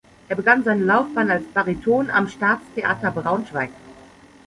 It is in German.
Er begann seine Laufbahn als Bariton am Staatstheater Braunschweig.